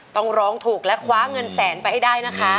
ต้องร้องถูกและคว้าเงินแสนไปให้ได้นะคะ